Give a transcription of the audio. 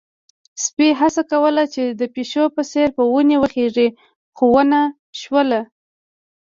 سپي هڅه کوله چې د پيشو په څېر په ونې وخيژي، خو ونه شول.